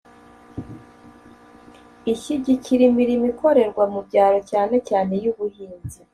ishyigikira imirimo ikorerwa mu byaro cyane cyane iy'ubuhinzi.